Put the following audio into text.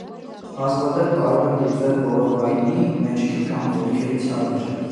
Հազվադեպ կարող են դիտվել որովայնի, մեջքի կամ ոտքերի ցավեր։